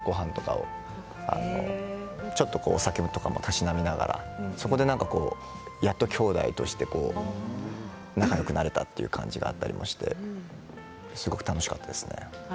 最初らへんすぐ、みんなで部屋でごはんとかをちょっとお酒とかもたしなみながら、そこでやっときょうだいとして仲よくなれたという感じがあったりしてすごく楽しかったですね。